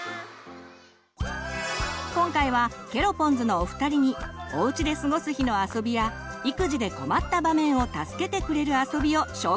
今回はケロポンズのお二人におうちで過ごす日のあそびや育児で困った場面を助けてくれるあそびを紹介してもらいます！